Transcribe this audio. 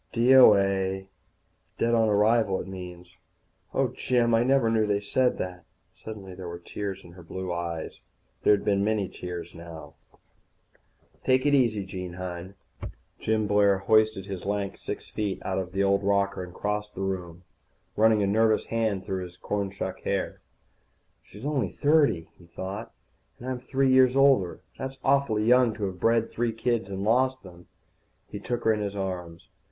"D.O.A. Dead on arrival, it means. Oh, Jim, I never knew they said that." Suddenly there were tears in her blue eyes. There had been many tears, now. [Illustration: Illustrator: Ernie Barth] "Take it easy, Jean, honey." Jim Blair hoisted his lank six feet out of the old rocker, and crossed the room, running a nervous hand through his cornshuck hair. She's only thirty, he thought, and I'm three years older. That's awfully young to have bred three kids and lost them. He took her in his arms.